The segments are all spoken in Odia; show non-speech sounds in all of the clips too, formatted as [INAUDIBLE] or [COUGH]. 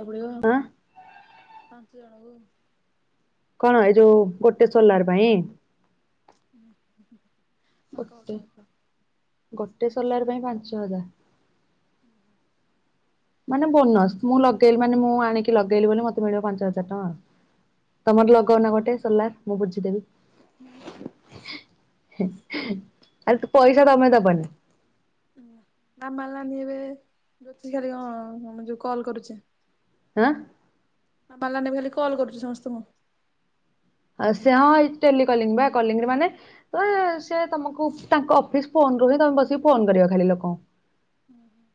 [INAUDIBLE] ଆଁ ପାଞ୍ଚ ଜଣକୁ କଣ? ଏ ଯୋଉ ଗୋଟେ ସୋଲାର ପାଇଁ! ହୁଁ, ହୁଁ, ହଁ କହ ଗୋଟେ କହ କ। ଗୋଟେ ସୋଲାର ପାଇଁ ପାଞ୍ଚ ହଜାର। ମାନେ ବୋନସ୍। ମୁଁ ଲଗେଇଲି ମାନେ, ମୁଁ ଆଣିକି ଲଗେଇଲି ବୋଲି ମତେ ମିଳିବ ପାଞ୍ଚ ହଜାର ଟଙ୍କା ଆଉ। ତମର ଲଗଉନା ଗୋଟେ ସୋଲାର, ମୁଁ ବୁଝିଦେବି। ହଁ। ଆରେ ପଇସା ତମେ ଦବନି। ନା ମାରିଲାନି ଏବେ, ଜ୍ୟୋତିଷ ଖାଲି କଣ ଯୋଉ କଲ କରୁଛି? ଆଁ। ହଁ, ବାଲାନେ ଏବେ ଖାଲି କଲ୍ କରୁଛି ସମସ୍ତଙ୍କୁ। ଆ ସେ ହଁ, ଏଇ ଟେଲି କଲିଙ୍ଗ୍ ବା କଲିଙ୍ଗ୍ ରେ ମାନେ-ଏ ସେ ତମକୁ ତାଙ୍କ, ଅଫିସ ଫୋନ୍ ରୁ ତମେ ବସିିକି ଫୋନ୍ କରିବ, ଖାଲି ଲୋକଙ୍କୁ। ହୁଁ, ହୁଁ।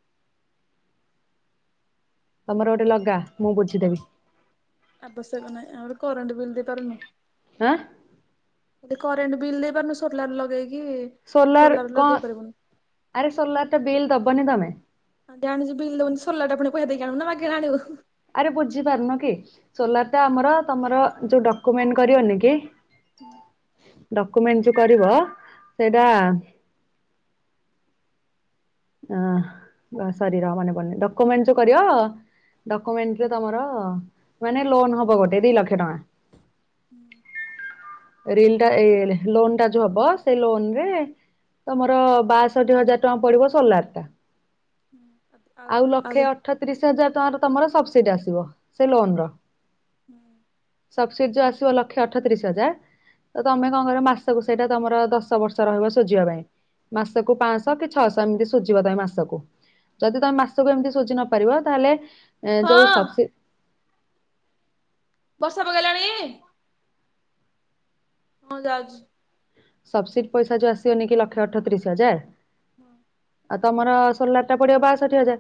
ତମର ଗୋଟେ ଲଗା, ମୁଁ ବୁଝିଦେବି। ଆବଶ୍ୟକ ନାହିଁ। ଆହୁରି କରେଣ୍ଟ ବିଲ୍ ଦେଇପାରୁନୁ। ଆଁ, ଏ କରଣ୍ଟ ବିଲ୍ ଦେଇ ପାରୁନି। ସୋଲାର ଲଗେଇକି ସୋଲାର କଣ? ଲଗେଇ ପାରିବୁନି ଆରେ ସୋଲାର ଟା ବିଲ୍ ଦବନି ତମେ। ଆ ଜାଣିଛୁ ବିଲ୍ ଦବୁନି। ସୋଲାରଟା ପୁଣି ପଇସା ଦେଇକି ଆଣିବୁ ନା ମାଗେଣା ଆଣିବୁ? ଆରେ ବୁଝି ପାରୁନ କି? ସୋଲାର ଟା ଆମର ତମର ଯୋଉ ଡକୁୁମେଣ୍ଟ କରିବନି କି! ହୁଁ। ଡକୁମେଣ୍ଟ ଯୋଉ କରିବ, ସେଇଟା ଅ ବ ସରୀ ର ମନପଡୁନି। ଡକୁମେଣ୍ଟ ଯୋ କରିବ ଡକୁମେଣ୍ଟରେ ତମର-ଅ ମାନେ, ଲୋନ ହବ ଗୋଟେ ଦି ଲକ୍ଷ ଟଙ୍କା। ହୁଁ। ରିଲ ଟା! ଏ ଲୋନ ଟା ଯୋଉ ହବ, ସେଇ ଲୋନରେ ତମର ବାଷଠି ହଜାର ଟଙ୍କା ପଡିବ। ସୋଲାର ଟା। ଆଉ ଲକ୍ଷେ ଅଠତିରିଶ ହଜାର ଟଆଁର ତମର ସବସିଡି ଆସିବ, ସେ ଲୋନ ର। ହୁଁ। ସବ୍ସିଡ ଯ ଆସିବ, ଲକ୍ଷେ ଅଠତିରିଶ ହଜାର ତ ତମେ କଣ କର, ମାସକୁ ସେଇଟା ତମର ଦଶ ବର୍ଷ ରହିବ ଶୁଝିବା ପାଇଁ। ମାସକୁୁ ପାଁ ଶହ କି ଛଅଶହ। ସେମତି ଶୁଝିବ ତମେ ମାସକୁ। ଯଦି ତମେ ମାସକୁ ଏମିତି ସୁଝି ନ ପାରିବ ତାହେଲେ, ଏ ଯଉଁ ହଁ ସବସି ବର୍ଷା ପକେଇଲାଣି? ହଁ, ଯାଉଛି। ସବ୍ସିଡି ପଇସା ଯୋଉ ଆସିବନି କି ଲକ୍ଷେ ଅଠତିରିଶ ହଜାର! ହଁ। ଆଉ, ତମର ସୋଲାର ଟା ପଡିବ ବାଷଠି ହଜାର।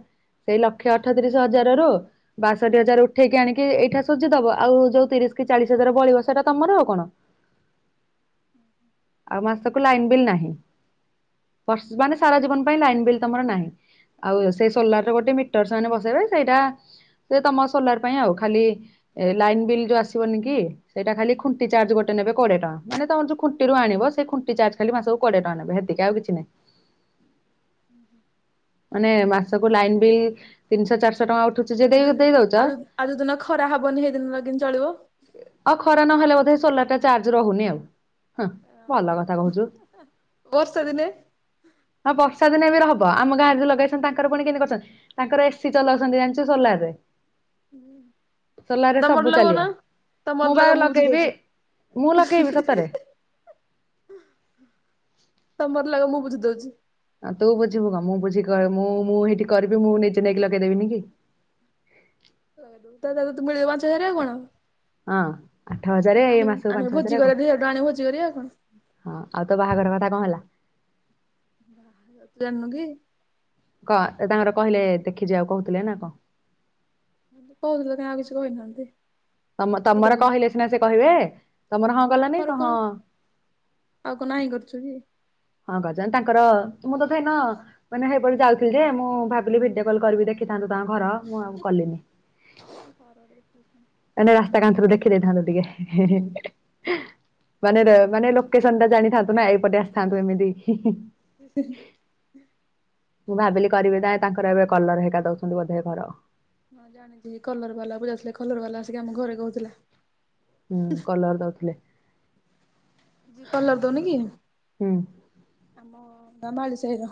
ସେଇ ଲକ୍ଷ ଅଠତିରିଶ ହଜାର ରୁ ବାଷଠି ହଜାର ଉଠେଇକି ଆଣିକି ଏଇଟା ସୁଝିଦବ। ଆଉ ଯୋଉ ତିରିଶ କି ଚାଳିଶ ହଜାର ବଳିବ, ସେଇଟା ତମ ର ଉ କଣ? [INAUDIBLE] ଆଉ ମାସକୁ ଲାଇନ ବିଲ୍ ନାହିଁ। [UNINTELLIGIBLE] ମାନେ ସାରା ଜୀବନ ପାଇଁ ଲାଇନ ବିଲ୍ ତମର ନାହିଁ। ଆଉ ସେ ସୋଲାର ରେ ଗୋଟେ ମିଟର ସେମାନେ ବ ଦେବେ ସେଇଟା ସେ ତମ ସୋଲାର ପାଇଁ ଆଉ। ଖାଲି ଲାଇନ୍ ବିଲ୍ ଯୋଉ ଆସିବନି କି ସେଇଟା ଖାଲି ଖୁଣ୍ଟି ଚାର୍ଜ ଗୋଟେ ନେବେ କୋଡ଼ିଏ ଟଙ୍କା। ମାନେ ତମର ଯୋଉ ଖୁ ଖୁଣ୍ଟିରୁ ଆଣିବ ସେ ଖୁଣ୍ଟି ଚାର୍ଜ ଖାଲି ମାସକୁ କୋଡ଼ିଏ ଟଙ୍କା ନେବେ ହେତିକି ଆଉ କିଛି ନାହିଁ। [INAUDIBLE] ମାନେ ମାସକୁ ଲାଇନ୍ ବିଲ୍ ତିନିଶହ ଚାରିଶହ ଟଙ୍କା ଉ ଆଉ ଯଦି ଆଉ ଯ ଆଉ ଯୋଉ ଦିନ ଖରା ହବନି ସେଇଦିନ କେମିତି ଚଳିବ? ଆଉ ଖରା ନହେଲେ ବୋଧେ ସୋଲାର ଟା ଚାର୍ଜ ରହୁନି ଆଉ ହଁ। ଅ ଭଲ କଥା କହୁଚୁ। ବର୍ଷା ଦିନେ ହଁ ବର୍ଷା ଦିନେ ବି ର ହବ ଆମ ଗାଁରେ ଲଗେଇଛନ୍ତି ତାଙ୍କର ପୁଣି କେମିତି କରିଛନ୍ତି। ତାଙ୍କର ଏସି ଚଲାଉଛନ୍ତି ଜାଣିଚୁ ସୋଲାର ରେ। ହୁଁ। ସୋଲର ରେ ସବୁ ଚାଲିବ। ତମର ମୁଁ ବା ଲଗାଅ ବୁଝି ଲଗେଇବି ଦଉଛି ମୁଁ ଲଗେଇବି ସତରେ। ତମର ଲାଗି ମୁଁ ବୁଝି ଦଉଛି। ଆଁ ତୁ ବୁଝିବୁ କଣ, ମୁଁ ବୁଝି ମୁଁ ମୁଁ ସେଇଠି କରିବି ମୁଁ ନିଜେ ନେଇକି ଲଗେଇଦେବିନି କି। [UNINTELLIGIBLE] ହଁ ଆଠ ହଜାର ଏଇ ଆଣିବୁ ମାସକୁ ଆଣିବୁ ପାଞ୍ଚ ଭୋଜି ହଜାର ଆଉ କରିବା ଦି ଟଙ୍କା ଆଣିବୁ ଭୋଜି କରିବା ଆଉ କଣ। ହଁ ଆଉ ତୋ ବାହାଘର କଥା କଣ ହେଲା? ଜାଣିନ କି? କ ତାଙ୍କର କହିଲେ ଦେଖି ଯିବା କହୁଥିଲେ ନା କଣ? କହୁଥିଲ ତ ଆଉ କିଛି କହିନାହାନ୍ତି। ତମ ତମର ସେଥିରେ କହିଲେ ସିନା ସେ କହିବେ। ତମର ହଁ କଲନି ଆମର କ କଣ ହଁ ଆଉ କଣ ନାହିଁ କରିଚୁ କି। ହଁ ଗଜନ ତାଙ୍କର ମୁଁ ତଥାପି ହେଦିନ ମାନେ ସେଇପଟେ ଯାଉଥିଲି ଯେ ମୁଁ ଭାବିଲି ଭିଡିଓ କଲ କରିବି ଦେଖିଥାନ୍ତୁ। ତାଙ୍କ ଘର ମୁଁ ଆଉ କଲିନି। ମାନେ ରାସ୍ତା କାନ୍ଥରୁ ଦେଖି ଦେଇଇଥାନ୍ତୁ ଟିକେ। ମାନେ ମାନେ ଲୋକେସନ ଟା ଜାଣିଥାନ୍ତୁ ନା ଏଇପଟେ। ଥାନ୍ତୁ ଏମିତି। ମୁଁ ଭାବିଲି କରିବି ନା ତାଙ୍କର ଏବେ କଲର ହେରିକା ଦଉଛନ୍ତି ବୋଧେ ଘର। ହଁ ଜାଣିଚି କଲର ବାଲାକୁ ଯାଉଥିଲେ କଲର ବାଲା ଆସିକି ଆମକୁ ଘରେ କହୁଥିଲା। ହୁଁ କଲର ଦଉଥିଲେ। ଯିଏ କଲର ଦଉନି କି, ହୁଁ ଆମ ମାଳି ସାଇର।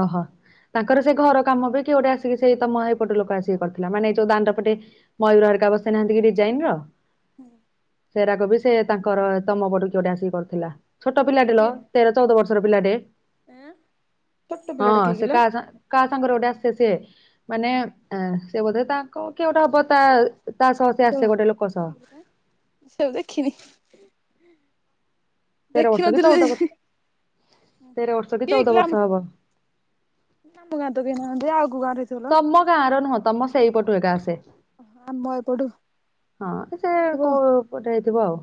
ଓହୋ। ତାଙ୍କର ସେ ଘର କାମ ବି କିଏ ଗୋଟେ ଆସିକି ସେଇ ତମ ଏପଟୁ ଲୋକ ଆସିକି କରିଥିଲା। ମାନେ ଯୋଉ ଦାଣ୍ଡ ପଟେ ମୟୂର ହେରିକା ବସେଇ ନାହାନ୍ତି କି ଡିଜାଇନ ର। ହୁଁ। ସେରା କ ବିି ସେ ତାଙ୍କର ତମ ପଟୁ କିଏ ଗୋଟେ ଆସିକି କରିଥିଲା। ଛୋଟ ପିଲାଟେ ଲୋ କିଏ ତେର ଚଉଦ ବର୍ଷ ର ପିଲା ଟେ। ଆଁ ଛୋଟ ହଁ ପିଲାଟେ କିଏ ସେ କିଲୋ କାହା ସାଙ୍ଗ କାହା ସାଙ୍ଗରେ ଗୋଟାଏ ସିଏ ସିଏ ମାନେ ସିଏ ବୋଧେ ତାଙ୍କ କିଏ ଗୋଟେ ହବ ତା ତା ସହ ସେ [UNINTELLIGIBLE] ଆସେ ସିଏ ଗୋଟେ ଲୋକ ସହ। ଆଉ ଦେଖିନି। ତେର ଦେଖି ବର୍ଷ କି ନଥିଲି। ଚଉଦ ବର୍ଷ [UNINTELLIGIBLE] ତେର ବର୍ଷ କି ଚଉଦ ବର୍ଷ ହବ। ଆମ ଗାଁ ରେ ତ କେହି ନାହାଁନ୍ତି। ତମ ଗାଁ ର ନୁହଁ ତମ ସେଇ ପଟୁ ଏକା ଆସେ। ଆମ ଏପଟୁ ହଁ ସେ କୋଉପଟେ ହେଇଥିବ ଆଉ।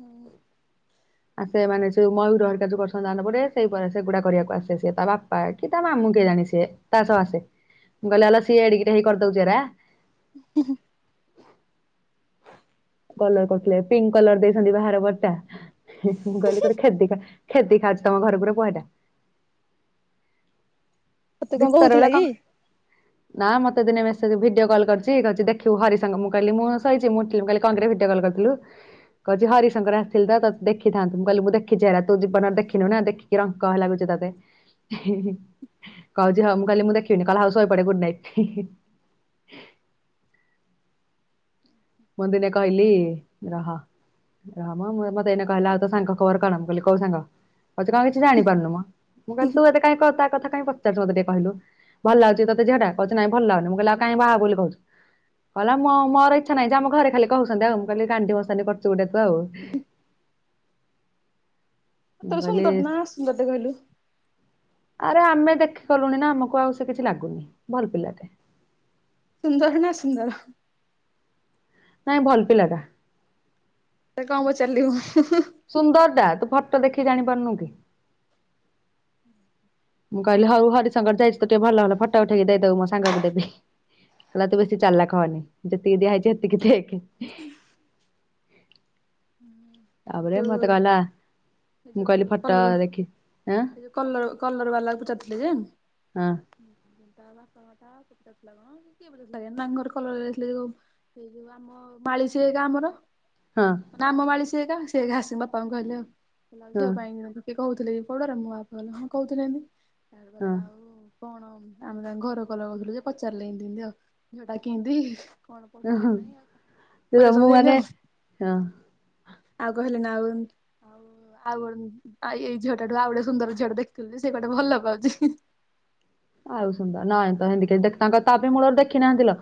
ହୁଁ। ଆସେ ମାନେ ସେ ଯଉ ମୟୂର ହେରିକା, ଯଉ କରୁଛନ୍ତି ଦାଣ୍ଡ ପଟେ ସେଇପ ସେଗୁଡା କରିବାକୁ ଆସେ ସିଏ ତା ବାପା କି ତା ମାମୁ କେଜାଣି ସିଏ ତା ସହ ଆସେ। ମୁଁ କହିଲେ ଆଲ ସିଏ ଏଡିକିଟେ ହେଇ କରିଦଉଚି ଏରା। କଲର କରୁଥିଲେ ପିଙ୍କ କଲର ଦେଇଚନ୍ତି ବାହାର ପଟଟା ମୁଁ କହିଲି ଗୋଟେ ଖେଦି, ଖେଦି ଯାଉଛି ତମ ଘର ଉପରେ ପାଇଲା। ମତେ କଣ କହୁଥିଲା କି? ନା ମତେ ଦିନେ ମେସେଜ ଭିଡିଓ କଲ କରିଛି, କହୁଛି ଦେଖୁ ହରିସାଙ୍ଗ। ମୁଁ କହିଲି ମୁଁ ଶୋଇଚି। ମୁଁ ଉଠି କହିଲି କଣ କିରେ ଭିଡିଓ କଲ୍ କରି ରଖିଲୁ କହୁଛି ହରିଶଙ୍କର ଆସିଥିଲି ତ ଦେଖିଥାନ୍ତୁ। ମୁଁ କହିଲି ମୁଁ ଦେଖିଛି ହେରା, ତୁ ଜୀବନରେ ଦେଖିନୁ ନା ଦେଖିକି ରଙ୍କ ହେ ଲାଗୁଛି ତ [INAUDIBLE] କହୁଛି ହଉ ମୁଁ କହିଲି ମୁଁ ଦେଖିବିନି। କହିଲା ହଉ ଶୋଇପଡ଼ ଗୁଡ ନାଇଟ୍। ମୁଁ ଦିନେ କହିଲି ରହ ରହମ ମ-ମତେ ଏଇନେ କହିଲା ତୋ ସାଙ୍ଗ ଖବର କଣ? ମୁଁ କହିଲି କଉ ସାଙ୍ଗ? କହୁଚି କଣ କିଛି ଜାଣିପାରୁନୁ ମ। ମୁଁ କହିଲି ତୁ ଏତେ କାଇଁ କଥା କଥା କାଇଁ ପଚାରୁଚୁ ମତେ ଟିକେ କହିଲୁ ‌। ଭଲ ଲାଗୁଚି କି ତତେ ଝିଅଟା? କହୁଛି ନାଇଁ ଭଲ ଲାଗୁନି। ମୁଁ କହିଲି ଆ କାଇଁ ବାହା ହବୁ ବୋଲି କହୁଛୁ। କହିଲା ମ-ମର ଇ ! ! ! ! ! ! ! ! ! ! ! ! ! ! ! ! ସତରେ କହିଲି ସୁନ୍ଦର ଟେ ନା ଅସୁନ୍ଦର ଟେ କହିଲୁ। ଆରେ ଆମେ ଦେଖି ଗଲୁଣି ନା ଆମକୁ ଆଉ ସେ କିଛି ଲାଗୁନି। ଭଲ ପିଲାଟେ। ସୁନ୍ଦର ନା ଅସୁନ୍ଦର? ନାଇଁ ଭଲ ପିଲା ଟା। କଣ, ପଚାରିଲୁ? ହୁଁ, ହୁଁ ସୁନ୍ଦର ଟା ତୁ ଫଟୋ ଦେଖି ଜାଣିପାରୁନୁ କି? ମୁଁ କହିଲି ହଉ ହରିଶଙ୍କର ଯାଇଛୁ ତ ଟିକେ ଭଲ ଭଲ ଫଟା ଉଠେଇକି ଦେଇଦବୁ ମୋ ସାଙ୍ଗକୁ ଦେବି। କହିଲା ତୁ ବେଶୀ ଚାଲାକ୍ ହନି। ଯେତିକି ଦିଆ ହେଇଛି ହେତିକି ଦେଖେ। ଏ ତାପରେ ଯୋଉ ମତେ କହିଲା ଏ ମୁଁ ଯୋଉ କହିଲି ଫଟୋ କଲର। ଦେଖି ଆଁ ଏ ଯୋଉ କଲର, କଲର ବାଲା କୁ ପଚାରିଥିଲେ ଯେ ହୁଁ ହୁଁ। ବାଙ୍ଗର ହଁ। କଲରଇ ଯୋଉ ଆମ [UNINTELLIGIBLE] ମାଳି ସେ କେ ଆମର ହଁ ନାମ ମାଳି ସେ ଏକା, ସେ ଆସି ବାପାଙ୍କୁ କହିଲେ ଆଉ, ଆଉ ହଁ ଝିଅ ପାଇଁ କହୁଥିଲେ କି ପଡରେ, ମୋ ବାପା କହିଲେ ହଁ କହୁଥିଲେ ଏମିତି, ତା ପରେ ହଁ ଆଉ କଣ ଆମେ ଘର କଲର କରୁଥିଲୁ ଯେ ପଚାରିଲେ ଏମ୍-ଏମିତି ଆଉ। ଝିଅଟା କେମତି? ପ ହଁ ମୁଁ ସମ ମାନେ ଆ [UNINTELLIGIBLE] ହଁ। ଆ କହିଲ ନାଉ। ଆଉ ଗ ଏଇ ଝିଅ ଟାଠୁ, ଆଉ ଗୋଟେ ସୁନ୍ଦର ଝିଅ ଟେ ଦେଖିଥିଲୁ ଯେ ସିଏ ଗୁଟେ ଭଲ ପାଉଛି। ଆଉ ସୁନ୍ଦର ନାଇ ତ ହେଣ୍ଡିକେଫ, ଦେଖ-ତାଙ୍କର ତ ବି ମୂଳରେ ଦେଖି ନାହାନ୍ତି ଲୋ।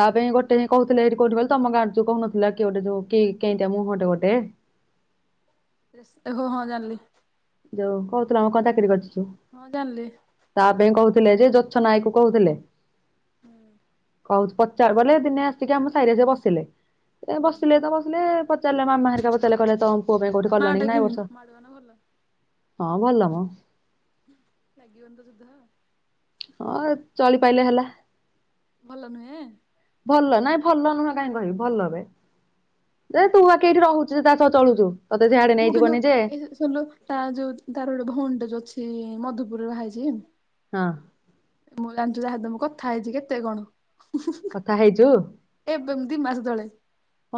ତା ପାଇଁ ଗୋଟେ ହିଁ କହୁଥିଲେ ଏଇଠି କୋଉଠି ବୋଲି, ତମ ଗାଁରେ ଯଉ କହୁନଥିଲା, କିଏ ଗୋଟେ ଯୋଉ କେନ୍ତିଆ ମୁହଁଟେ ଗୋଟେ। ହଁ, ହଁ ଜାଣିଲି। ଯଉ କହୁଥିଲା ଆମେ କଣ ଚାକିରି କରିଛି ସିଏ? ହଁ ଜାଣିଲି ତା ପାଇଁ କୋ ଥିଲେ ଯେ, ଯୋଛ ନାୟକ କୁ କହୁଥିଲେ। ହୁଁ। କହୁଛି ପଚାର ବଲେ ଦିନେ ଆସିକି ଆମ ସାହିରେ ଯେ ବସିଲେ। ହୁଁ ବସିଲେ ତ ବସିଲେ। ଚାଲ ମାମା ହେରିକା ପଚାରିଲେ। କହିଲେ, ତମ ପୁଅ ପାଇଁ ତା କୋଉଠି ମା କଲଣି ଟା କି ନାଇଁ ଏ ବର୍ଷ? ମାଡୁଆ ନା ଭଲ ହଁ ଭଲ ମ। ଲାଗି ବନିତ ଯୁଦ୍ଧ? ହଁ ଚଳି ପାଇଲେ ହେଲା। ଭଲ ନୁହେଁ? ଭଲ, ନାଇଁ ଭଲ ନୁହଁ କାହିଁ କହିବି, ଭଲ ବେ। ଯେ ତୁ ଆକେ ଏଇଠି ରହୁଛୁ ଯେ ତା ସହ ଚଳୁଚୁ। ମୁଁ କିନ୍ତୁ ଏ ଯୋଉ ଶୁଣିଲୁ ତାର ଯୋଉ ତାର ଗୋଟେ ଭଉଣୀଟେ ଯୋଉ ଅଛି ମଧୁପୁରରେ ବହାହେଇଛି? ହଁ। ମୁଁ ଜାଣିଚୁ ତାହା ସହିତ ମୁଁ କଥା ହେଇଛି କେତେ କଣ? କଥା ହେଇଚୁ? ଏବେ ବ ଦି ମାସ ତଳେ।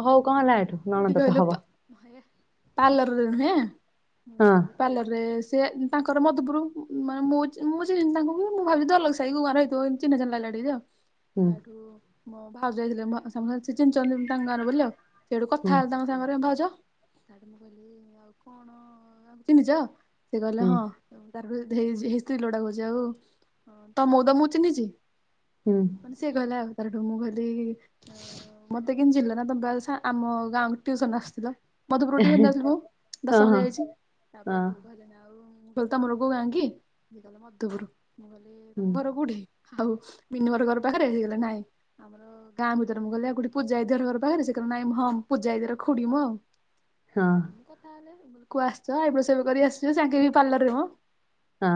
ହଉ କଣ ହେଲା? ଏଠୁ କୋଉଟି ନଣନ୍ଦ ତ କହିଲୁ? ହବ। ପାର୍ଲରରେ ନୁହେଁ? ହଁ ପାର୍ଲରରେ ସେ ତାଙ୍କ ଘର ମଧପୁରୁ। ମାନେ ମୁଁ ଚିନ୍ ଚିହ୍ନିନି ତାଙ୍କୁ ବି ମୁଁ ଭାବିଛି ଦଲଗ ସାହି କୋଉ ଘର ହେଇଥିବ ଏମତି ଚିହ୍ନା ଚିହ୍ନା ଲାଗିଲା ଟିକେ ଯେ ହୁଁ ଆଉ। ଭାଉଜ ଯାଇଥିଲେ, ମୋ ସମସ୍ତେ ଚିହ୍ନିଚନ୍ତି ମୁଁ ତାଙ୍କ ଗାଁର ବୋଲି ଆଉ। ସେଉଠୁ ହୁଁ କଥା ହେଲେ ତାଙ୍କ ସାଙ୍ଗରେ ଭାଉଜ ଚିହ୍ନିଚ? ସେ କହିଲେ ହୁଁ ହଁ। ତାର ଯୋଉ ଧେଇ ହେଇ ସ୍ତ୍ରୀ ଲୋକଡା କହୁଛି ଆଉ, ତମୁକୁ ତ ମୁଁ ଚିହ୍ନିଛି। ହୁଁ ମାନେ ସେ କହିଲା, ତାରଠୁ ମୁଁ କହିଲି ମତେ ଆଁ ମତେ କେନ୍ତି ଚିହ୍ନିଲ? ନା ତମେ ବା ସା ଆମ ଗାଁକୁ ଟିଉସନ ଆସୁଥିଲ। ମଧୁପୁରୁ ଟିଉସନ୍ ଯାଉଥିଲି ମୁଁ, ହଁ ଦଶମ ହଁ ଯାଏ ଯାଇଛି। ମୁଁ ହଁ କହିଲି ତମର କୋଉ ଗାଁ କି? ମଧୁପୁରୁ। ତମ ହୁଁ ଘର କୋଉଠି? ଆଉ ବିନୁ ଘର ଘର ପାଖରେ? ହେ କହିଲା ନାଇଁ। ଆମର ଗାଁ ଭିତରେ ମୁଁ ଗଲେ ଆଉ ଗୋଟେ ପୂଜା ଦିଦି ଘର ଘର ପାଖରେ? ସେ କହିଲେ ନାଇଁ ହଁ ପୂଜା ଦିଦିର ଖୁଡ଼ି ମୁଁ ଆଉ। ହଁ କୁ ଆସ, ଆଇବ୍ରୋ ସେପ କରିକି ଆସିବ। ତାଙ୍କେ ବି ପାର୍ଲରରେ ମ ହଁ।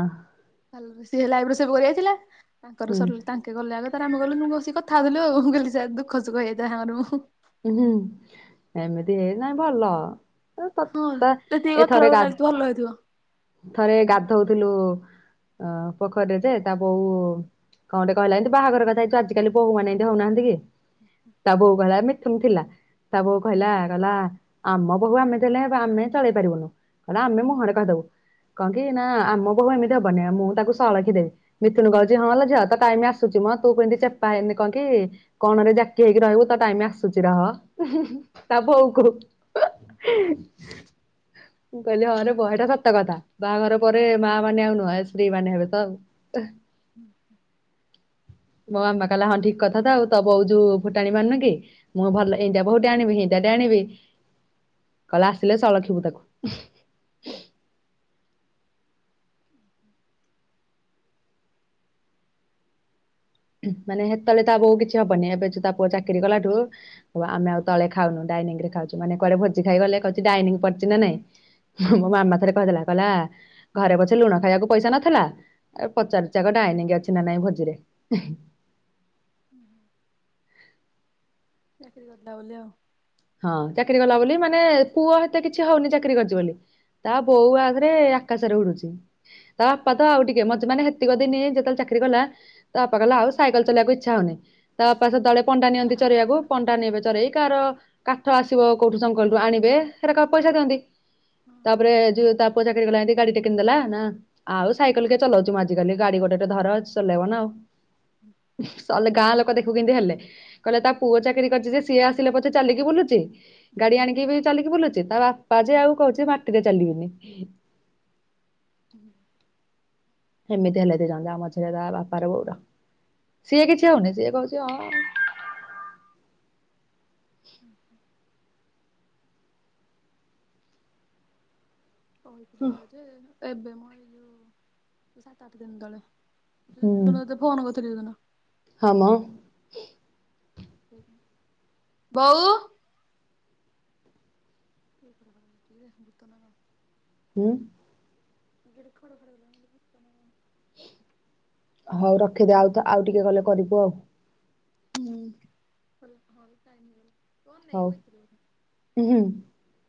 ସିଏ ହେଲା ଆଇବ୍ରୋ ସେପ କରି ଆଇଥିଲା। ତାଙ୍କର ସରି ହୁଁ ତାଙ୍କେ ଗଲେ ଆଗ ତାରେ ଆମେ ଗଲୁନୁ ମୁଁ ବସି କଥା କଥା ହେବିଲୋ, ମୁଁ କହିଲି ଚାଲ୍ ଦୁଃଖ ସୁୁଖ ହେଇଥାଏ ଆମର ମୁଁ ହୁଁ। ଏମିତି ହେଇ ନାଇଁ ଭଲ। ହଁ [UNINTELLIGIBLE] ଯେତିକି କଥା ଏଥରେ ଗା ଲାଗୁଛି ଭଲ ହେଇଥିବ। ଥରେ ଗାଧଉଥିଲୁ ଅ ପୋଖରୀରେ ଯେ ତା ବୋଉ କଣଟେ କହିଲା ଏମତି ବାହାଘର କଥା ଏ ଯୋଉ ଆଜିକାଲି ବୋହୂମାନେ ଏମତି ହଉନାହାଁନ୍ତି କି, ତା ବୋହୂ କହିଲା ଏମି ସେମ ଥିଲା। ତା ବୋହୂ କହିଲା କହିଲା, ଆମ ବୋହୂ ଆମେ ଦେଲେ ଆମେ ଚଳେଇ ପାରିବୁନୁ। କହିଲା ଆମେ ମୁହଁରେ କହିଦବୁ। କଣ କି ନା, ଆମ ବୋହୂ ଏମିତି ହବନି। ମୁଁ ତାକୁ ସଳଖି ଦେବି। ମିଥୁନ କହୁଛି ହଁ ଲୋ ଝିଅ, ତୋ ଟାଇମ ଆସୁଛି। ତୁମ ତୁ କେମତି ଚେପା ହେଇନି କଣ କି, କଣରେ ଜାକି ହେଇକି ରହିବୁ, ତୋ ଟାଇମ ଆସି ସୁଛି ରହ। ଉ ହୁଁ ହୁଁ। ତା ବୋଉ କହୁ ମୁଁ କହିଲି ହଁ ରେ ବହିଟା ସତକଥା। ବାହାଘର ପରେ ମା ମାନେ ଆଉ ନୁହେଁ, ସ୍ତ୍ରୀ ମାନେ ହେବେ ତ ଆଉ। ହୁଁ ହୁଁ ମୋ ମାମା କହିଲା ହଁ ଠିକ କଥା ଆଉ। ତୋ ବୋଉ ଯୋଉ ଫୁଟାଣି ମାରୁନି କି, ମୁଁ ଭଲ ଏନ୍ତିଆ ବୋହୂଟେ ଆଣିବି ହେନ୍ତିଆଟେ ଆଣି ଆଣିବି, କହିଲା ଆସିଲେ ସଳଖିବୁ ତାକୁ। ମାନେ ସେତେବେଳେ ତା ବୋଉ କିଛି ହବନି। ଏବେ ଯୋଉ ତା ପୁଅ ଚାକିରୀ କଲାଠୁ, ଆମେ ଆଉ ତଳେ ଖାଉନୁ, ଡା ଡାଇନିଂରେ ଖାଉଛୁ। ମାନେ କୁଆଡ଼େ ଭୋଜି ଖାଇ ଗଲେ କହୁଚି ଡାଇନିଂ ପଡିଚି ନା ନାଇଁ। ମୋ ମାମା ଥରେ କହିଦେଲା, କହିଲା ଘରେ ପଛେ ଲୁଣ ଖାଇବାକୁ ପଇସା ନଥିଲା, ପଚାରୁଚି ଆଗ ଡାଇନିଙ୍ଗ ଅଛି ନା ନାଇଁ ଭୋଜିରେ। [UNINTELLIGIBLE] ହୁଁ ହ। ଚାକିରୀ କଲା ବୋଲି ଆଉ। ହଁ। ଚାକିରୀ କଲା ବୋଲି, ମାନେ ପୁଅ ହେତେ କିଛି ହଉନି ଚାକିରୀ କରିଛି ବୋଲି। ତା ବୋଉ ଆଗରେ ଆକାଶରେ ଉଡୁଛି। ତା ବାପା ତ ଆଉ ଟିକେ, ମତେ ମାନେ ହେତିକ ଦିନି ଯେତେବେଳେ ଚାକିରୀ କଲା, ତା ବାପା କହିଲା ଆଉ ସାଇକଲ ଚଲେଇଆକୁ ଇଚ୍ଛା ହଉନି। ତା ବାପା ସେତେବେଳେ ପଣ୍ଡା ନିଅନ୍ତି ଚରେଇବାକୁ। ପଣ୍ଡା ନେବେ ଚରେଇ, କାହାର କାଠ ଆସିବ କୋଉଠୁ ସଙ୍କଲଠୁ ଆଣିବେ ସେରା କାକୁ ପଇସା ଦିଅନ୍ତି ତାପରେ ଯଉ ତା। ପୁଅ ଚାକିରି କଲା ଯେନ୍ତି ଗାଡି ଟା କିଣି ଦେଲା ନା ଆଉ ସାଇକେଲ କିଏ ଚଲଉଛି ମ ଆଜିିକାଲି ଗାଡି ଗୋଟେ ଧର ଚଲେଇବ ନା ଆଉ। ଶଲେ ଗାଁ ଲୋକ ଦେଖିବୁ କେମତି ହେଲେ କହିଲେ ତା ପୁଅ ଚାକିରି କରିଛି ଯେ ସିଏ ଆସିଲେ ପଛେ ଚାଲି କି। ବୁଲୁଛି ଗାଡି ଆଣିକି ବି ଚାଲିକି ବୁଲୁଛି ତା ବା ପା ଯେ ଆଉ କହୁଛି ମାଟିରେ ଚାଲିବନି। ହୁଁ। ହେମିତି ହେଲେ ଦି ଜଣ ଯାକ ମଝିରେ ତା ବାପାର ବୋଉ ର। ସିଏ କିଛି ହଉନି ସିଏ କହୁଛି ହଁ। [UNINTELLIGIBLE] ହୁ୍ ହୁଁ। କହିଥିଲି ତ ଯେ ଏବେ ମ ଏଇ ଯୋଉ ସାତ ଆଠ ଦିନ ତଳେ। ଯେ ହୁଁ ଯୋଉ ଦିନ ତତେ ଫୋନ କରିଥୀଲି ଯୋଉ ଦିନ ‌। ହଁ ମ। ବୋଉ ‌ [INAUDIBLE] ହୁଁ। କିଏ ଗୋଟେ ଖଡ଼ ଖଡ଼ କଲା‌‌ ଭୁତ ନା କଣ ‌ ହଉ ରଖିଦେ ଆଉ ଆଉ ଟିକେ ଗଲେ କରିବୁ ଆଉ ‌ ହୁଁ। ଫୋନ ନେଇ ହଉ ବଇଥିଲୁ ହୁଁ ବୋଧେ।